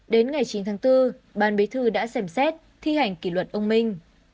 đến ngày chín tháng bốn ban bế thư đã xem xét thi hành kỷ luật ông minh